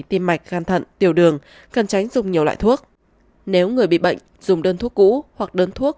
tim mạch gan thận tiểu đường cần tránh dùng nhiều loại thuốc nếu người bị bệnh dùng đơn thuốc cũ hoặc đơn thuốc